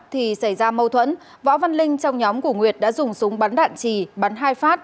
thì xảy ra mâu thuẫn võ văn linh trong nhóm của nguyệt đã dùng súng bắn đạn trì bắn hai phát